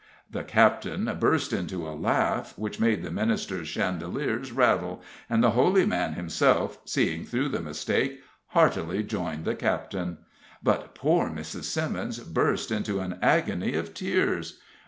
The captain burst into a laugh, which made the minister's chandeliers rattle, and the holy man himself, seeing through the mistake, heartily joined the captain. But poor Mrs. Simmons burst into an agony of tears.